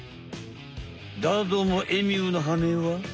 だどもエミューのはねは。